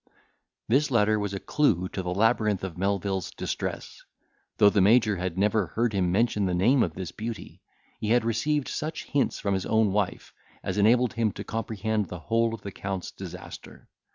This letter was a clue to the labyrinth of Melvil's distress. Though the Major had never heard him mention the name of this beauty, he had received such hints from his own wife, as enabled him to comprehend the whole of the Count's disaster.